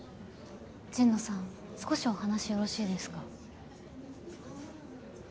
神野さん少しお話よろしいですか？